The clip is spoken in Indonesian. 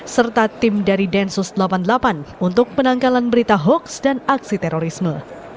serta tim dari densus delapan puluh delapan untuk penangkalan berita hoaks dan aksi terorisme